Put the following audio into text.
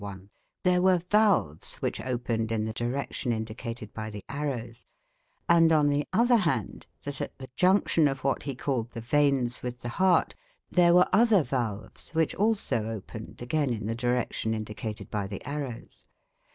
1) there were valves, which opened in the direction indicated by the arrows; and, on the other hand, that at the junction of what he called the veins with the heart there were other valves, which also opened again in the direction indicated by the arrows.